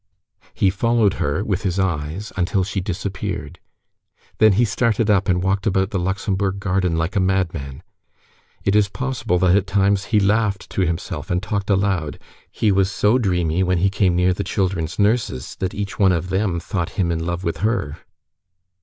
He followed her with his eyes until she disappeared. Then he started up and walked about the Luxembourg garden like a madman. It is possible that, at times, he laughed to himself and talked aloud. He was so dreamy when he came near the children's nurses, that each one of them thought him in love with her.